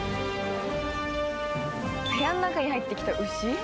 部屋ん中に入ってきた牛？